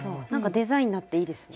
デザインになっていいですね。